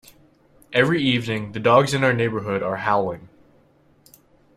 Every evening, the dogs in our neighbourhood are howling.